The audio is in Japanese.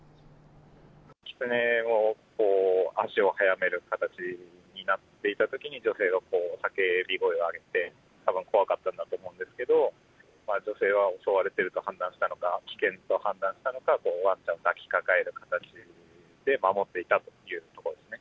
キツネが足を速める形になっていたときに、女性が叫び声を上げて、たぶん怖かったんだと思うんですけど、女性は襲われていると判断したのか、危険と判断したのか、わんちゃんを抱きかかえる形で、守っていたというところですね。